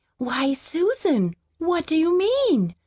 "Why, Susan, what do you mean?